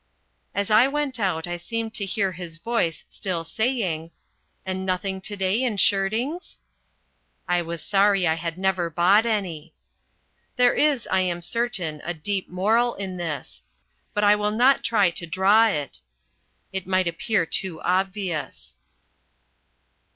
As I went out I seemed to hear his voice still saying, "And nothing to day in shirtings?" I was sorry I had never bought any. There is, I am certain, a deep moral in this. But I will not try to draw it. It might appear too obvious.